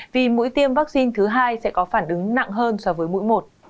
vì mũi tiêm vaccine thứ hai sẽ có phản ứng nặng hơn so với mũi một